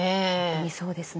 なりそうですね。